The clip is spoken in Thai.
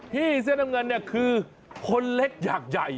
เสื้อน้ำเงินเนี่ยคือคนเล็กอยากใหญ่